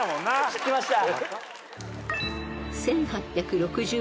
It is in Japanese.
知ってました。